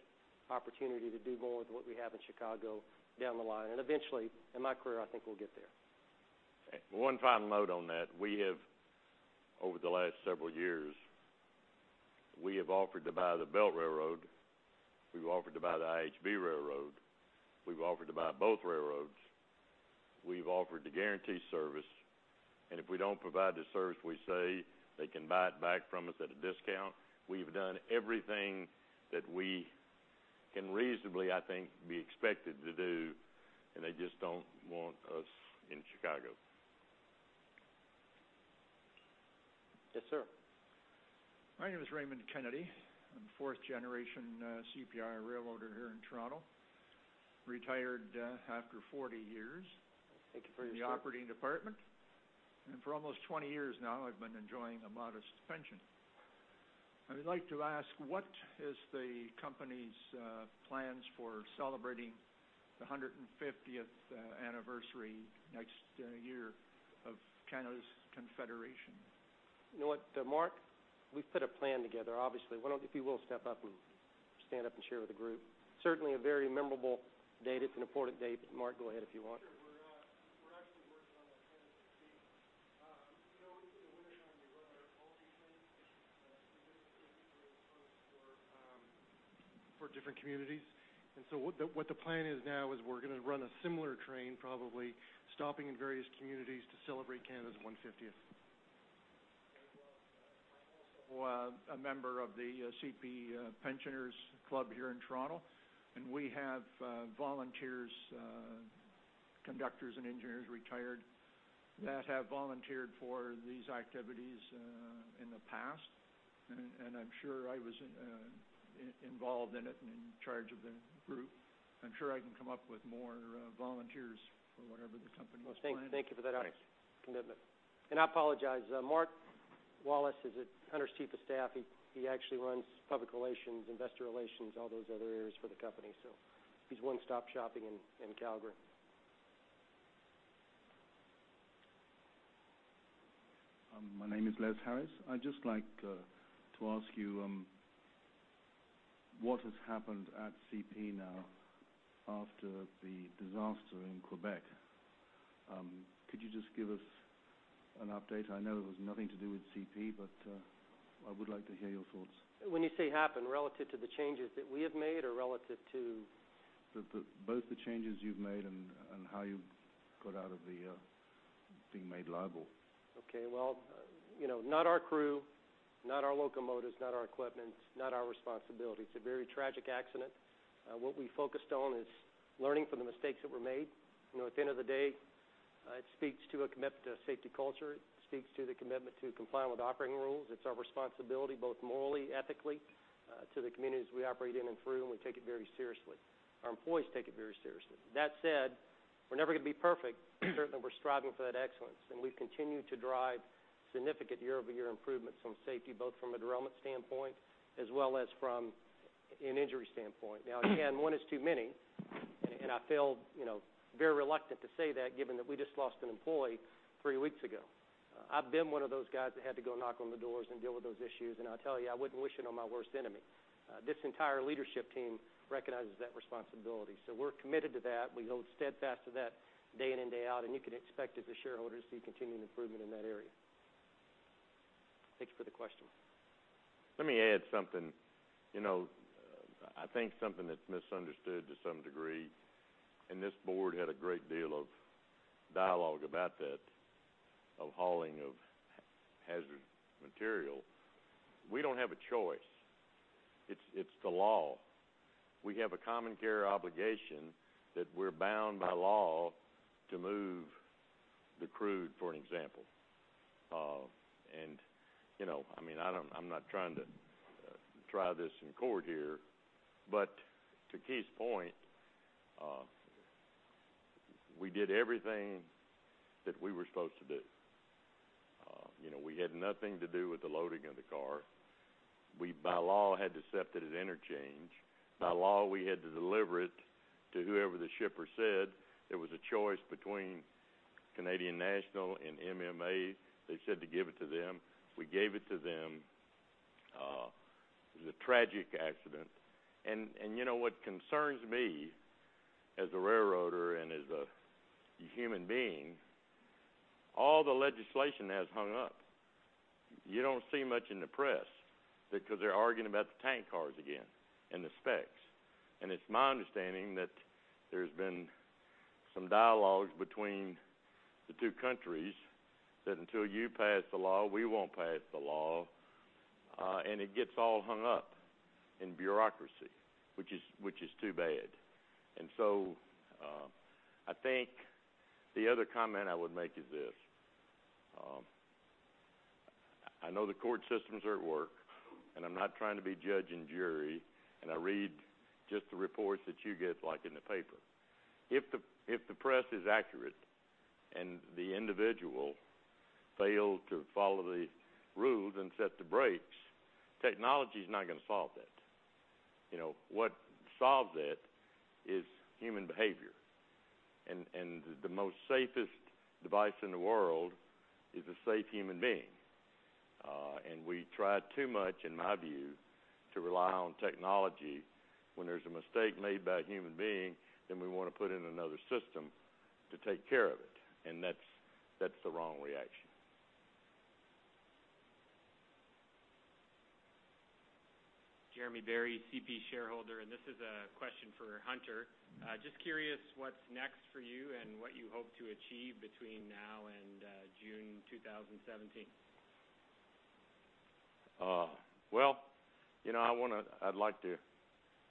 opportunity to do more with what we have in Chicago down the line. And eventually, in my career, I think we'll get there. One final note on that. We have, over the last several years, we have offered to buy the Belt Railroad. We've offered to buy the IHB Railroad. We've offered to buy both railroads. We've offered to guarantee service. And if we don't provide the service, we say they can buy it back from us at a discount. We've done everything that we can reasonably, I think, be expected to do, and they just don't want us in Chicago. Yes, sir. My name is Raymond Kennedy. I'm fourth-generation, CP railroader here in Toronto, retired, after 40 years. Thank you for your time. In the operating department. And for almost 20 years now, I've been enjoying a modest pension. I would like to ask, what is the company's plans for celebrating the 150th anniversary next year of Canada's Confederation? You know what, Mark? We've put a plan together, obviously. Why don't if you will step up and stand up and share with the group. Certainly a very memorable date. It's an important date. Mark, go ahead if you want. Sure. We're actually working on that kind of thing too, you know, in the wintertime, we run our own trains, but we just basically host for different communities. And so what the plan is now is we're going to run a similar train, probably, stopping in various communities to celebrate Canada's 150th. Very well. I'm also. Well, a member of the CP Pensioners Club here in Toronto. And we have volunteers, conductors and engineers retired that have volunteered for these activities in the past. And I'm sure I was involved in it and in charge of the group. I'm sure I can come up with more volunteers for whatever the company is planning. Well, thank you for that. Thanks. Commitment. I apologize. Mark Wallace is Hunter's Chief of Staff. He actually runs public relations, investor relations, all those other areas for the company, so. He's one-stop shopping in Calgary. My name is Les Harris. I'd just like to ask you what has happened at CP now after the disaster in Quebec? Could you just give us an update? I know it was nothing to do with CP, but I would like to hear your thoughts. When you say happen, relative to the changes that we have made or relative to? both the changes you've made and how you got out of being made liable. Okay. Well, you know, not our crew, not our locomotives, not our equipment, not our responsibility. It's a very tragic accident. What we focused on is learning from the mistakes that were made. You know, at the end of the day, it speaks to a commitment to safety culture. It speaks to the commitment to complying with operating rules. It's our responsibility, both morally, ethically, to the communities we operate in and through, and we take it very seriously. Our employees take it very seriously. That said, we're never going to be perfect. Certainly, we're striving for that excellence. And we've continued to drive significant year-over-year improvements on safety, both from a derailment standpoint as well as from an injury standpoint. Now, again, one is too many. And I feel, you know, very reluctant to say that given that we just lost an employee three weeks ago. I've been one of those guys that had to go knock on the doors and deal with those issues. And I'll tell you, I wouldn't wish it on my worst enemy. This entire leadership team recognizes that responsibility. So we're committed to that. We hold steadfast to that day in and day out. And you can expect, as a shareholder, to see continued improvement in that area. Thanks for the question. Let me add something. You know, I think something that's misunderstood to some degree, and this board had a great deal of dialogue about that, of hauling hazardous material. We don't have a choice. It's the law. We have a common carrier obligation that we're bound by law to move the crude, for example. And, you know, I mean, I don't, I'm not trying to try this in court here. But to Keith's point, we did everything that we were supposed to do. You know, we had nothing to do with the loading of the car. We, by law, had to accept that it interchanged. By law, we had to deliver it to whoever the shipper said. There was a choice between Canadian National and MMA. They said to give it to them. We gave it to them. It was a tragic accident. You know what concerns me as a railroader and as a human being? All the legislation has hung up. You don't see much in the press because they're arguing about the tank cars again and the specs. And it's my understanding that there's been some dialogue between the two countries that until you pass the law, we won't pass the law, and it gets all hung up in bureaucracy, which is too bad. And so, I think the other comment I would make is this. I know the court systems are at work, and I'm not trying to be judge and jury. And I read just the reports that you get, like, in the paper. If the press is accurate and the individual failed to follow the rules and set the brakes, technology's not going to solve that. You know, what solves that is human behavior. And the most safest device in the world is a safe human being. We try too much, in my view, to rely on technology. When there's a mistake made by a human being, then we want to put in another system to take care of it. And that's the wrong reaction. Jeremy Berry, CP shareholder. This is a question for Hunter. Just curious what's next for you and what you hope to achieve between now and June 2017. Well, you know, I want to—I'd like to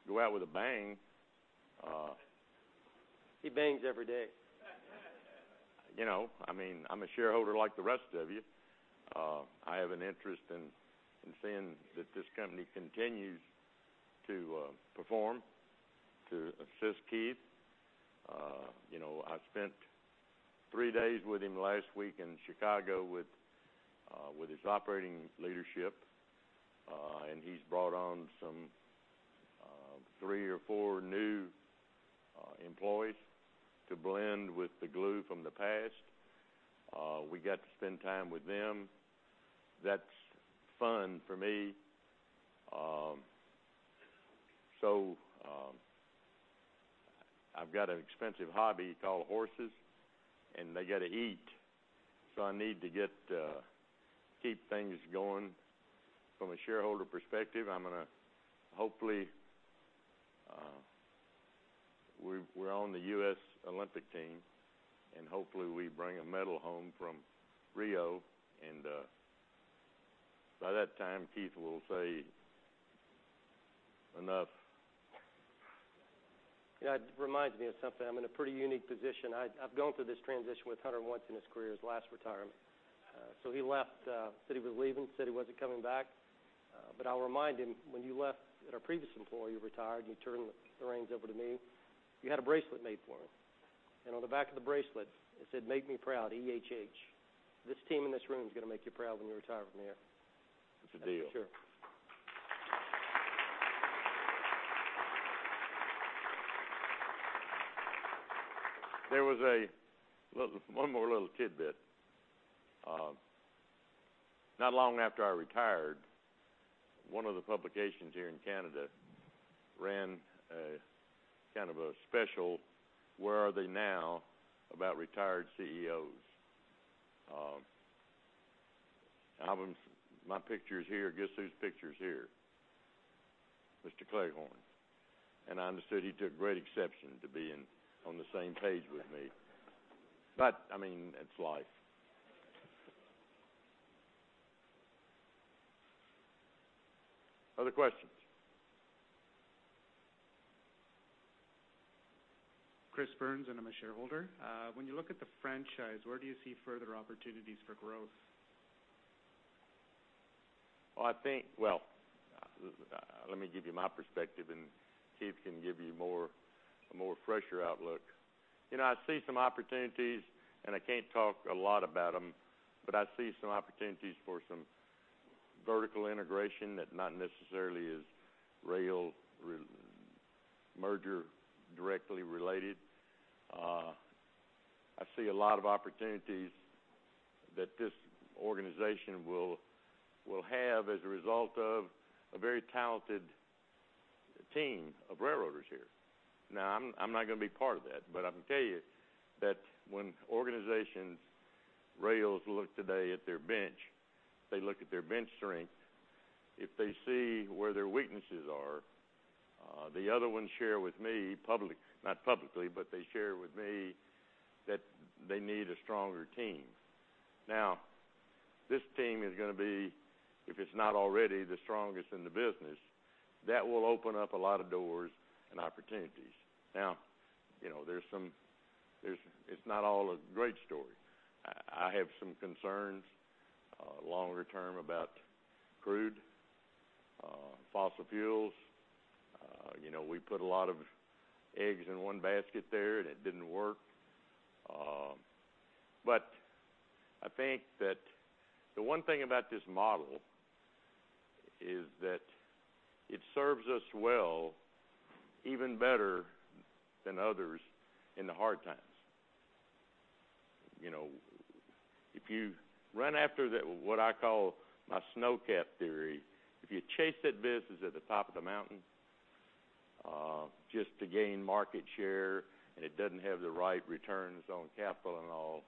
go out with a bang. He bangs every day. You know, I mean, I'm a shareholder like the rest of you. I have an interest in seeing that this company continues to perform, to assist Keith. You know, I spent three days with him last week in Chicago with his operating leadership. He's brought on some three or four new employees to blend with the glue from the past. We got to spend time with them. That's fun for me. So, I've got an expensive hobby called horses, and they got to eat. So I need to keep things going. From a shareholder perspective, I'm going to hopefully we're on the U.S. Olympic team, and hopefully, we bring a medal home from Rio. By that time, Keith will say enough. You know, it reminds me of something. I'm in a pretty unique position. I've gone through this transition with Hunter once in his career, his last retirement. So he left, said he was leaving, said he wasn't coming back. But I'll remind him, when you left at our previous employer, you retired, and you turned the reins over to me, you had a bracelet made for him. And on the back of the bracelet, it said, "Make me proud, EHH." This team in this room's going to make you proud when you retire from here. It's a deal. Sure. There was a little one more little tidbit. Not long after I retired, one of the publications here in Canada ran a kind of a special, "Where Are They Now?" about retired CEOs. Alongside my picture's here. Guess whose picture's here? Mr. Cleghorn. And I understood he took great exception to being on the same page with me. But, I mean, it's life. Other questions? Chris Burns, and I'm a shareholder. When you look at the franchise, where do you see further opportunities for growth? Well, I think well, let me give you my perspective, and Keith can give you a more fresher outlook. You know, I see some opportunities, and I can't talk a lot about them, but I see some opportunities for some vertical integration that not necessarily is railroad merger directly related. I see a lot of opportunities that this organization will have as a result of a very talented team of railroaders here. Now, I'm not going to be part of that, but I can tell you that when rail organizations look today at their bench, they look at their bench strength. If they see where their weaknesses are, the other ones share with me, not publicly, but they share with me that they need a stronger team. Now, this team is going to be, if it's not already, the strongest in the business. That will open up a lot of doors and opportunities. Now, you know, there's some; it's not all a great story. I have some concerns, longer term, about crude, fossil fuels. You know, we put a lot of eggs in one basket there, and it didn't work. But I think that the one thing about this model is that it serves us well even better than others in the hard times. You know, if you run after that, what I call my snowcat theory, if you chase that business at the top of the mountain, just to gain market share, and it doesn't have the right returns on capital and all,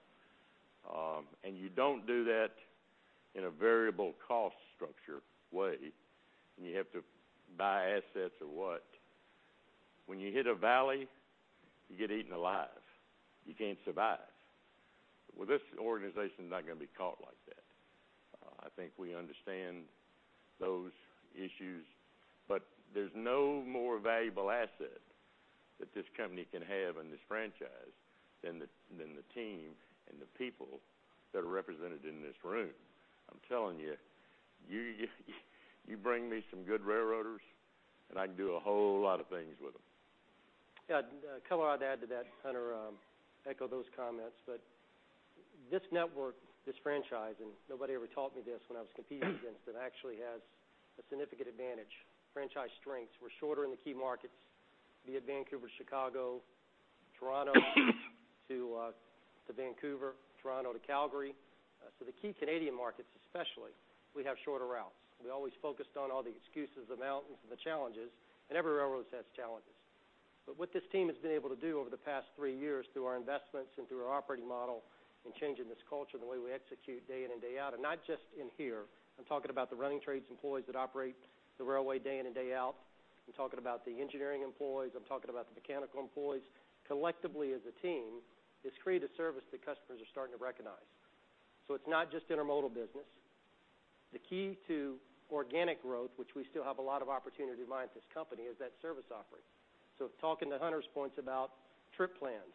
and you don't do that in a variable cost structure way, and you have to buy assets or what, when you hit a valley, you get eaten alive. You can't survive. Well, this organization's not going to be caught like that. I think we understand those issues. But there's no more valuable asset that this company can have in this franchise than the team and the people that are represented in this room. I'm telling you, you bring me some good railroaders, and I can do a whole lot of things with them. Yeah. And, a couple I'd add to that, Hunter, echo those comments. But this network, this franchise, and nobody ever taught me this when I was competing against it, actually has a significant advantage. Franchise strengths. We're shorter in the key markets, be it Vancouver to Chicago, Toronto to, to Vancouver, Toronto to Calgary. So the key Canadian markets, especially, we have shorter routes. We always focused on all the excuses, the mountains, and the challenges. And every railroad has challenges. But what this team has been able to do over the past three years through our investments and through our operating model and changing this culture, the way we execute day in and day out, and not just in here, I'm talking about the running trades employees that operate the railway day in and day out. I'm talking about the engineering employees. I'm talking about the mechanical employees. Collectively, as a team, this created a service that customers are starting to recognize. So it's not just intermodal business. The key to organic growth, which we still have a lot of opportunity to find at this company, is that service offering. So talking to Hunter's points about trip plans,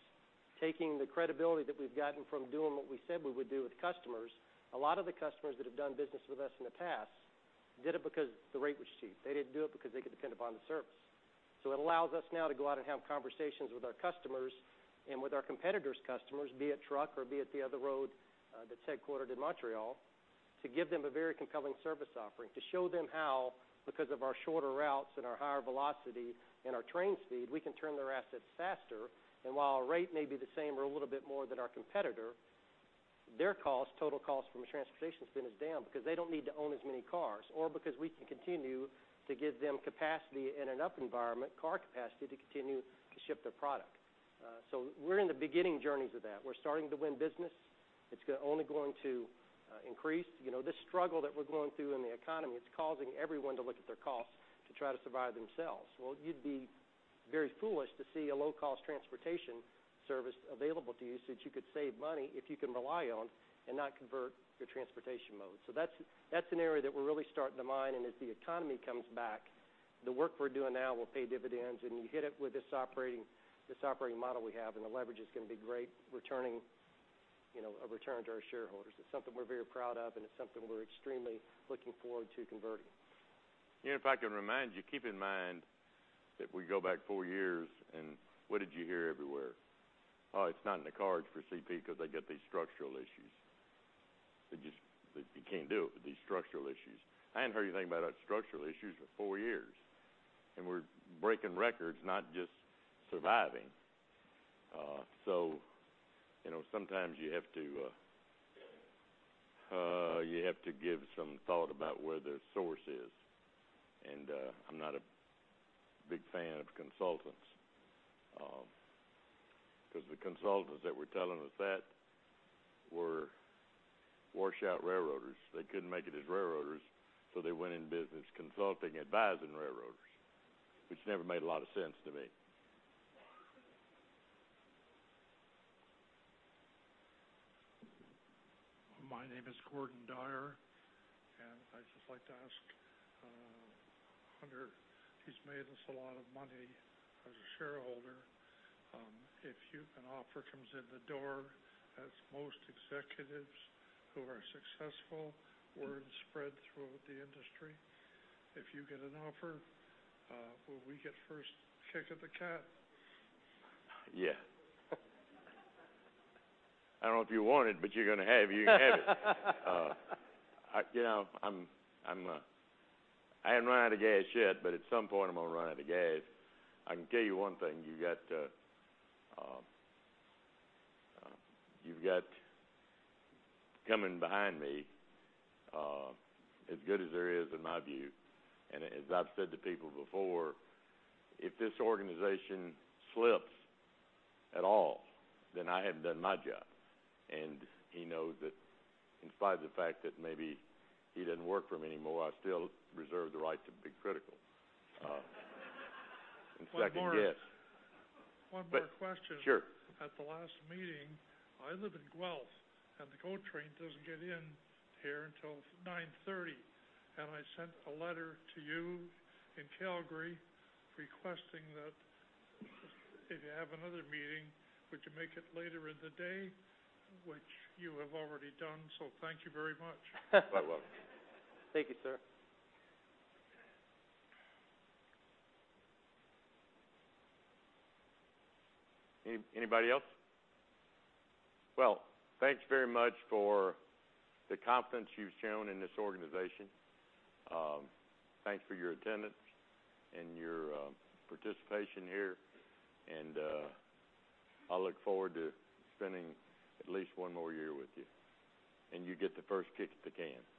taking the credibility that we've gotten from doing what we said we would do with customers, a lot of the customers that have done business with us in the past did it because the rate was cheap. They didn't do it because they could depend upon the service. So it allows us now to go out and have conversations with our customers and with our competitors' customers, be it truck or be it the other road, that's headquartered in Montreal, to give them a very compelling service offering, to show them how, because of our shorter routes and our higher velocity and our train speed, we can turn their assets faster. And while our rate may be the same or a little bit more than our competitor, their cost, total cost from a transportation spend, is down because they don't need to own as many cars or because we can continue to give them capacity in an up environment, car capacity, to continue to ship their product. So we're in the beginning journeys of that. We're starting to win business. It's only going to increase. You know, this struggle that we're going through in the economy, it's causing everyone to look at their costs to try to survive themselves. Well, you'd be very foolish to see a low-cost transportation service available to you so that you could save money if you can rely on and not convert your transportation mode. So that's, that's an area that we're really starting to mine. And as the economy comes back, the work we're doing now will pay dividends. And you hit it with this operating, this operating model we have, and the leverage is going to be great, returning, you know, a return to our shareholders. It's something we're very proud of, and it's something we're extremely looking forward to converting. You know, in fact, I'd remind you, keep in mind that we go back four years, and what did you hear everywhere? "Oh, it's not in the cards for CP because they got these structural issues." They just they can't do it with these structural issues. I hadn't heard anything about our structural issues for four years. And we're breaking records, not just surviving. So, you know, sometimes you have to, you have to give some thought about where the source is. And I'm not a big fan of consultants, because the consultants that were telling us that were washout railroaders. They couldn't make it as railroaders, so they went in business consulting, advising railroaders, which never made a lot of sense to me. My name is Gordon Dyer. I'd just like to ask, Hunter, he's made us a lot of money as a shareholder. If an offer comes in the door, as most executives who are successful, word spread throughout the industry, if you get an offer, will we get first kick of the cat? Yeah. I don't know if you want it, but you're going to have it. You know, I haven't run out of gas yet, but at some point, I'm going to run out of gas. I can tell you one thing. You've got coming behind me, as good as there is, in my view. And as I've said to people before, if this organization slips at all, then I haven't done my job. And he knows that in spite of the fact that maybe he doesn't work for me anymore, I still reserve the right to be critical and second guess. One more question. Sure. At the last meeting, I live in Guelph, and the GO train doesn't get in here until 9:30 A.M. I sent a letter to you in Calgary requesting that if you have another meeting, would you make it later in the day, which you have already done. Thank you very much. Quite welcome. Thank you, sir. Anybody else? Well, thanks very much for the confidence you've shown in this organization. Thanks for your attendance and your participation here. I look forward to spending at least one more year with you. You get the first kick of the can. Okay?